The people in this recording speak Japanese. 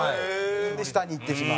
で、下にいってしまう。